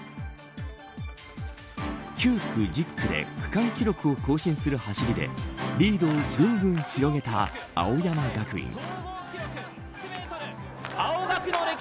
９区、１０区で、区間記録を更新する走りでリードをぐんぐん広げた青山学院。